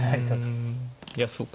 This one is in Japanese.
いやそうか。